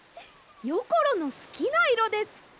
よころのすきないろです！